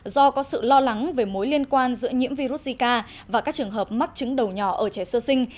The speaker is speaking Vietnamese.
do có sự lo lắng về mối liên quan giữa nhiễm virus zika và các trường hợp mắc chứng đầu nhỏ ở trẻ sơ sinh